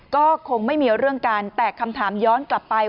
ก็คงไม่มีเรื่องกันแต่คำถามย้อนกลับไป